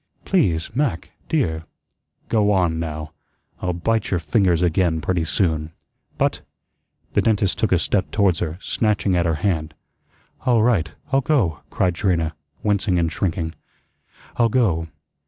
"Please, Mac, dear." "Go on, now. I'll bite your fingers again pretty soon." "But " The dentist took a step towards her, snatching at her hand. "All right, I'll go," cried Trina, wincing and shrinking. "I'll go."